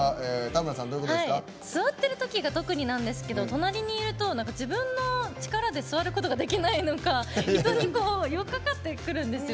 座ってるときが特にそうなんですけど隣にいると、自分の力で座ることができないのか人によっかかってくるんですよ。